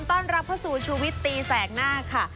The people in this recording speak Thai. ต้อนรับเข้าสู่ชูวิตตีแสกหน้าค่ะ